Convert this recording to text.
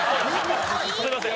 すみません。